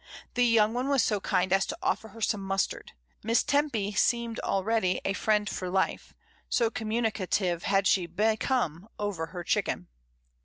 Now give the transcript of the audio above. The young one was so kind as to offer her some mustard; Miss Tempy seemed already a friend for life, so communicative had she become over her chicken.